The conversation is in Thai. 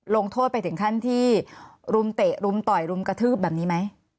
ลงโทษไปถึงขั้นที่รุมเตะรุมต่อยรุมกระทืบแบบนี้ไหม